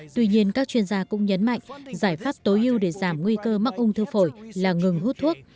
tuy nhiên các chuyên gia cũng nhấn mạnh giải pháp tối ưu để giảm nguy cơ mắc ung thư phổi là ngừng hút thuốc